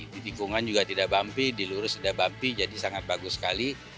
di tikungan juga tidak bumpi di lurus tidak bumpi jadi sangat bagus sekali